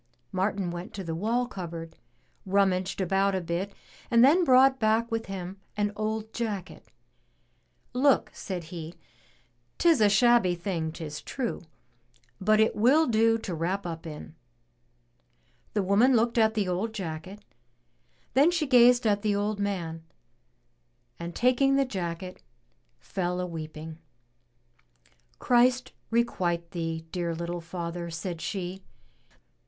Martin went to the wall cupboard, rummaged about a bit, and then brought back with him an old jacket. "Look," said he, " 'tis a shabby thing, 'tis true, but it will do to wrap up in." The woman looked at the old jacket, then she gazed at the old man, and taking the jacket, fell a weeping. "Christ requite thee, dear little father," said she.